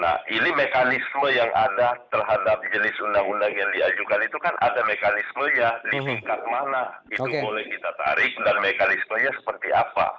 nah ini mekanisme yang ada terhadap jenis undang undang yang diajukan itu kan ada mekanismenya di tingkat mana itu boleh kita tarik dan mekanismenya seperti apa